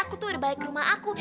aku tuh udah balik ke rumah aku